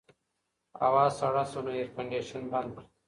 هوا سړه شوه نو اېرکنډیشن بند کړه.